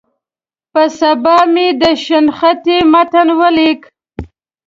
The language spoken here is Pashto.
په سبا مې د شنختې متن ولیک.